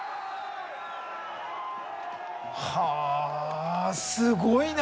はあすごいな！